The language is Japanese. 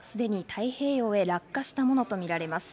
太平洋へ落下したものとみられます。